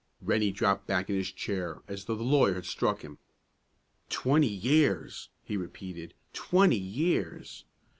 Rennie dropped back in his chair, as though the lawyer had struck him. "Twenty years!" he repeated; "twenty years!